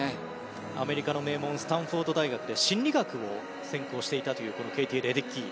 アメリカの名門スタンフォード大学で心理学を専攻していたというケイティ・レデッキー。